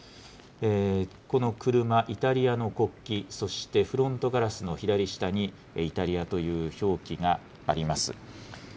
この車、イタリアの国旗、そしてフロントガラスの左下に、イタリアという表記があります。